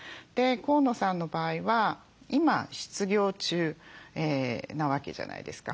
河野さんの場合は今失業中なわけじゃないですか。